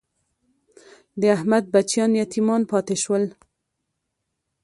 د احمد بچیان یتیمان پاتې شول.